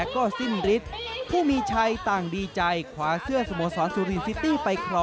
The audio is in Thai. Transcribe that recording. ก็ต้องล้อยออกไปเอาห่างขั้นแพ้